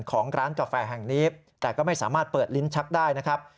ของร้านกาแฟแห่งนี้แต่ก็ไม่สามารถเปิดลิ้นชักได้นะครับ